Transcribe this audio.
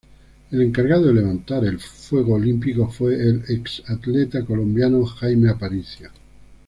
El encargado de levantar el fuego olimpico fue el ex atleta colombiano Jaime Aparicio.